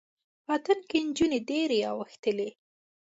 په اتڼ کې جونې ډیرې اوښتلې